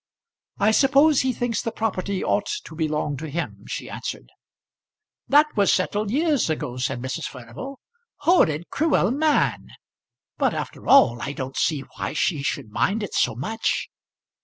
"I suppose he thinks the property ought to belong to him," she answered. "That was settled years ago," said Mrs. Furnival. "Horrid, cruel man! But after all I don't see why she should mind it so much."